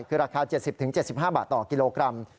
คือราคา๗๐๗๕บาทต่อกิโลกรัม